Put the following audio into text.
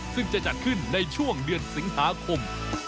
ซึ่งจะจัดขึ้นในช่วงเดือนสิงหาคม